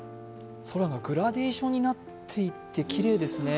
空がグラデーションになってきれいですね。